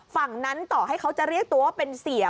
ฝั่งนั้นต่อให้เขาจะเรียกตัวว่าเป็นเสีย